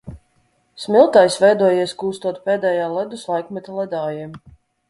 Smiltājs veidojies, kūstot pēdējā ledus laikmeta ledājiem.